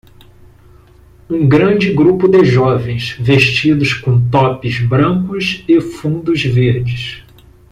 um grande grupo de jovens vestidos com tops brancos e fundos verdes